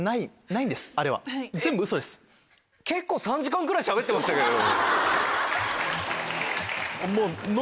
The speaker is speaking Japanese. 結構３時間ぐらいしゃべってましたけど。